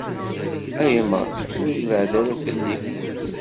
Ay Ameɣlal, ur beɛɛed ara fell-i!